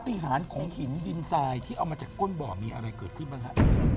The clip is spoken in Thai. ติหารของหินดินทรายที่เอามาจากก้นบ่อมีอะไรเกิดขึ้นบ้างฮะ